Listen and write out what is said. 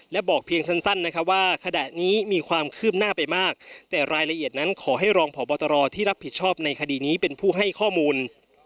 และบอกเพียงสั้นนะครับว่าขณะนี้มีความคืบหน้าไปมากแต่รายละเอียดนั้นขอให้รองพบตรที่รับผิดชอบในคดีนี้เป็นผู้ให้ข้อมูล